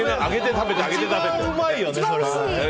一番うまいよね。